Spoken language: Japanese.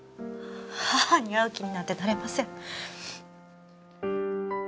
母に会う気になんてなれません。